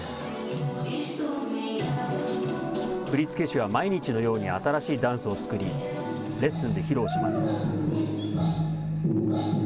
振り付け師は毎日のように新しいダンスを作り、レッスンで披露します。